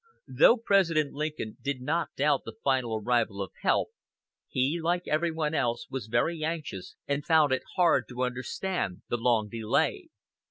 Though President Lincoln did not doubt the final arrival of help, he, like everyone else, was very anxious, and found it hard to understand the long delay.